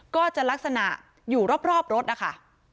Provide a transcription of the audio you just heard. ก็จะลักษณะอยู่รอบรถนะคะ